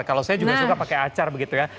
kalau saya juga suka pakai acar begitu ya